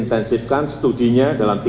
dan sebagian di kabupaten kutai